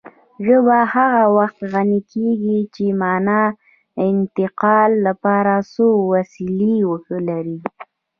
ژبه هغه وخت غني کېږي چې د مانا د انتقال لپاره څو وسیلې ولري